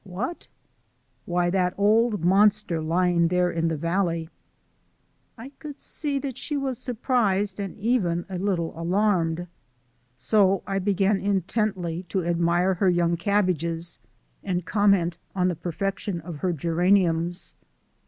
"What?" "Why, that old monster lying there in the valley." I could see that she was surprised and even a little alarmed. So I began intently to admire her young cabbages and comment on the perfection of her geraniums.